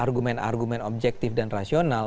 argumen argumen objektif dan rasional